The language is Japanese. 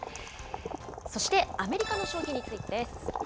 そしてアメリカの消費についてです。